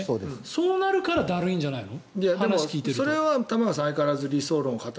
そうなるからだるいんじゃないの？